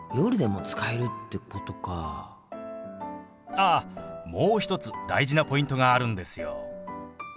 あっもう一つ大事なポイントがあるんですよ。